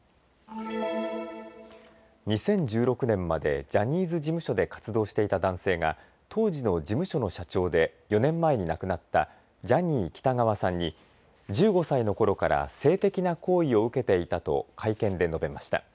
２０１６年までジャニーズ事務所で活動していた男性が当時の事務所の社長で４年前に亡くなったジャニー喜多川さんに１５歳のころから性的な行為を受けていたと会見で述べました。